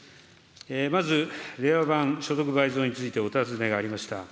まず、令和版所得倍増についてお尋ねがありました。